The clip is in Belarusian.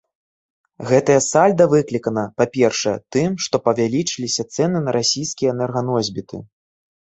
Гэтае сальда выклікана, па-першае, тым, што павялічыліся цэны на расійскія энерганосьбіты.